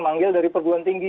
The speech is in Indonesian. manggil dari perguruan tinggi